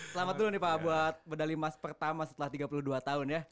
selamat dulu nih pak buat medali emas pertama setelah tiga puluh dua tahun ya